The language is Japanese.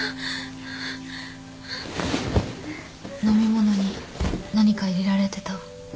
飲み物に何か入れられてた？